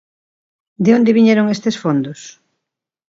¿De onde viñeron estes fondos?